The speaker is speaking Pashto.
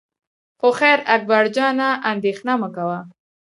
خو خیر اکبر جانه اندېښنه مه کوه.